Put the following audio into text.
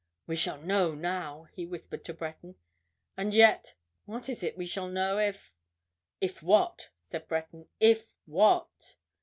"We shall know now!" he whispered to Breton. "And yet—what is it we shall know if——" "If what?" said Breton. "If—what?"